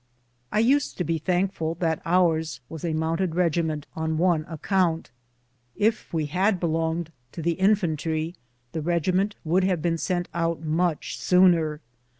I USED to be thankful that ours was a mounted regi ment on one account : if we had belonged to the infan try, the regiment would have been sent out much sooner.